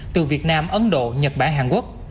từ việt nam ấn độ nhật bản hàn quốc